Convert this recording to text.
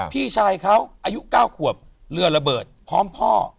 พี่ชายเขาอายุ๙ขวบเรือระเบิดพร้อมพ่อ